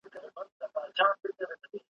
په سل ګونو یې ترې جوړ کړل قفسونه`